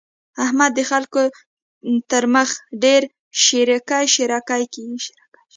احمد د خلګو تر مخ ډېر شېرکی شېرکی کېږي.